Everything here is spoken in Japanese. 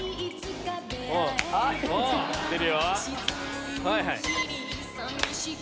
出るよ！